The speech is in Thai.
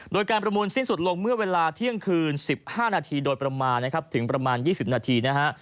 โดยการประมูลสิ้นสุดลงเมื่อเวลาเที่ยงคืน๑๕นาทีโดยประมาณนะครับถึงประมาณ๒๐นาทีนะฮะ